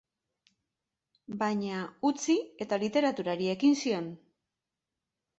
Baina, utzi eta literaturari ekin zion.